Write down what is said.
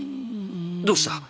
どうした？